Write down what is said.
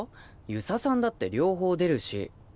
遊佐さんだって両方出るし。